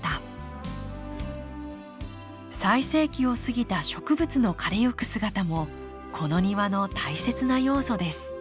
最盛期を過ぎた植物の枯れゆく姿もこの庭の大切な要素です